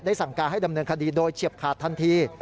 สั่งการให้ดำเนินคดีโดยเฉียบขาดทันที